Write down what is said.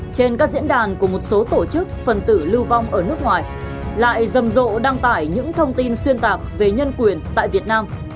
trên các diễn đàn của một số tổ chức phần tử lưu vong ở nước ngoài lại rầm rộ đăng tải những thông tin xuyên tạc về nhân quyền tại việt nam